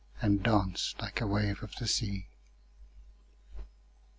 'And dance like a wave of the sea.